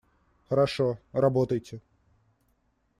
Хорошо. Работайте!